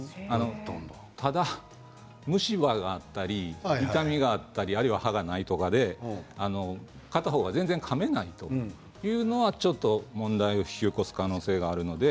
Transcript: ただ、虫歯があったり痛みがあったりあるいは歯がないとか片方が全然かめないという場合は問題を引き起こす可能性があります。